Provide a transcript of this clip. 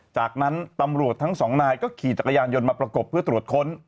จากนั้นตำรวจทั้งสองนายก็ขี่จักรยานยนต์มาประกบเพื่อตรวจค้น